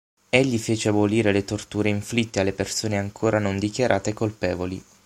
Egli fece abolire le torture inflitte alle persone ancora non dichiarate colpevoli.